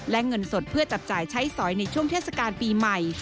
และเงินสดเพื่อจับจ่ายใช้สอยในช่วงเทศกาลปีใหม่